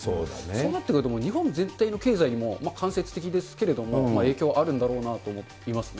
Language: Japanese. そうなってくると、日本全体の経済にも、間接的ですけれども、影響あるんだろうなと思いますね。